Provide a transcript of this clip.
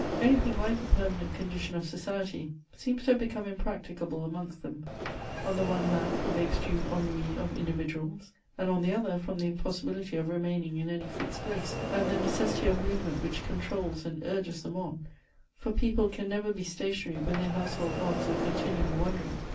Any thing like a permanent condition of society seems to have become impracticable amongst them ; on the one hand from the extreme ennui of individuals, and on the other from the impossibi lity of remaining in any fixed place, and the necessity of move ment which controls and urges them on ; for people can never be 8^ationary when their household gods are continually wandering.